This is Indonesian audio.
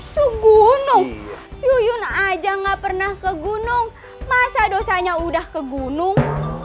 sugunung yuyun aja gak pernah ke gunung masa dosanya udah ke gunung